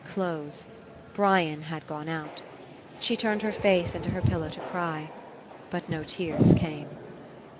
Close. Brian had gone out. She turned her face into her pillow to cry. But no tears came.